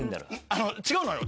あの違うのよ